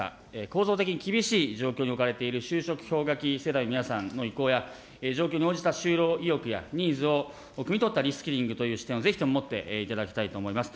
構造的に厳しい状況に置かれている就職氷河期世代の皆さんの意向や状況に応じた就労意欲やニーズをくみ取ったリスキリングという視点をぜひとも持っていただきたいと思います。